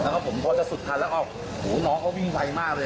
แล้วผมพอจะสุดทันแล้วเอ้าอุ๋น้องเค้าวิ่งไฟมากเลย